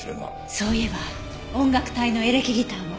そういえば音楽隊のエレキギターも。